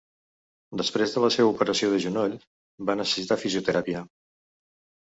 Després de la seva operació del genoll, va necessitar fisioteràpia.